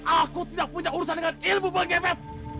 aku tidak punya urusan dengan ilmu babi ngepet